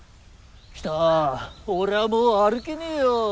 「喜多俺はもう歩けねえよ」。